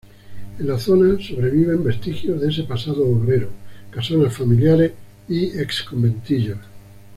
En la zona sobreviven vestigios de ese pasado obrero, casonas familiares y ex conventillos.